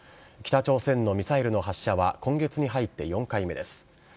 北朝鮮のミサイルの発射は、今月に入って４回目です。